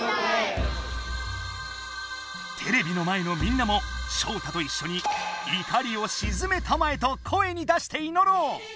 テレビの前のみんなもショウタといっしょに「いかりをしずめたまえ」と声に出していのろう！